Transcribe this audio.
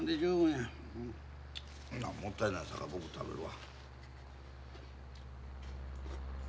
ほなもったいないさか僕食べるわ。